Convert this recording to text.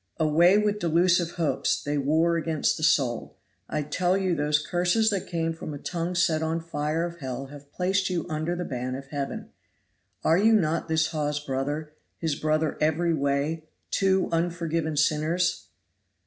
"Away with delusive hopes, they war against the soul. I tell you those curses that came from a tongue set on fire of hell have placed you under the ban of Heaven. Are you not this Hawes's brother, his brother every way two unforgiven sinners?"